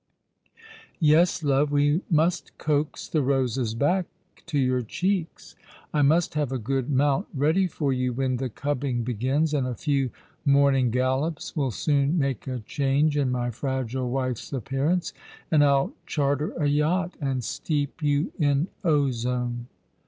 " Yes, love, we must coax the roses back to your cheeks. I must have a good mount ready for you when the cubbing begins, and a few morning gallops will soon make a change in my fragile wife's appearance. And I'll charter a yacht and steep you in ozone."